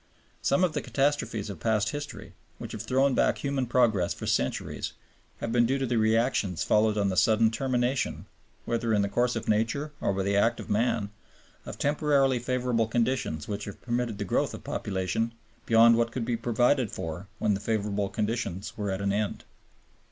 Some of the catastrophes of past history, which have thrown back human progress for centuries, have been due to the reactions following on the sudden termination, whether in the course of nature or by the act of man, of temporarily favorable conditions which have permitted the growth of population beyond what could be provided for when the favorable conditions were at an end.